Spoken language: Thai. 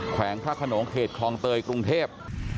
แขวงพระขนงเขตคลองเตยกรุงเทพ